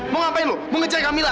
mau apa mau mengejar kamilah